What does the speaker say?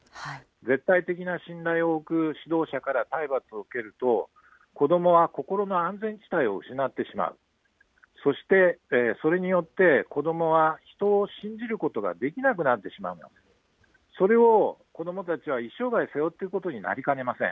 絶対的な信頼を置く指導者から体罰を受けると、子どもは心の安全地帯を失ってしまう、そして、それによって、子どもは人を信じることができなくなってしまうんだ、それを子どもたちは一生涯背負っていくことになりかねません。